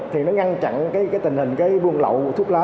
thì nó ngăn chặn tình hình buôn lậu thuốc lá